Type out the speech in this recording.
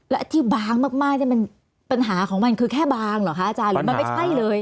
และที่บางมากปัญหาของมันคือแค่บางเหรอคะอาจารย์หรือมันไม่ใช่เลย